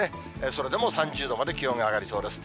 それでも３０度まで気温が上がりそうです。